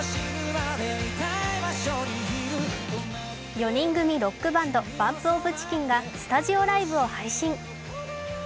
４人組ロックバンド、ＢＵＭＰＯＦＣＨＩＣＫＥＮがスタジオライブを配信。